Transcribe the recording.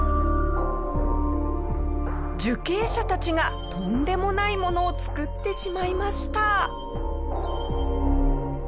受刑者たちがとんでもないものを作ってしまいました。